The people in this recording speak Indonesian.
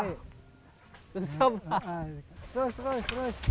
terus terus terus